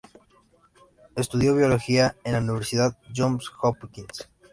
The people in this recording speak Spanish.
Estudió biología en la Universidad Johns Hopkins.